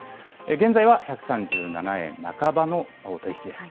現在は１３７円半ばの取り引きです。